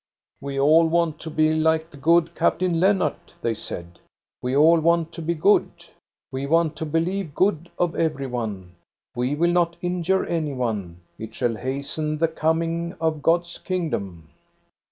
" We all want to be like the good Captain I^nnart," they said. " We all want to be good. We want to believe good of every one. We will not injure any one. It shall hasten the coming of God's Kingdom."